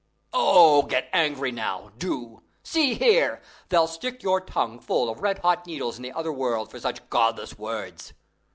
"Oh, get angry now, do! See here; they'll stick your tongue full of red hot needles in the other world for such godless words.